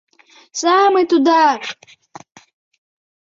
— Самый Тудак!..